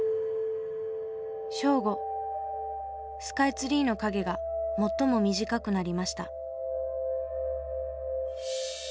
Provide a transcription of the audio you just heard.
スカイツリーの影が最も短くなりました。